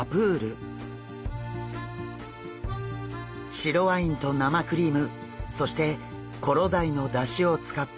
白ワインと生クリームそしてコロダイのだしを使ったソースで頂きます。